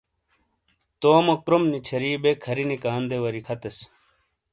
تومو کروم نچھری بے کھرینی کاندے واری کھتیس۔